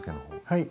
はい。